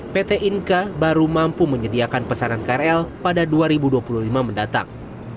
pt inka baru mampu menyediakan pesanan krl pada dua ribu dua puluh lima mendatang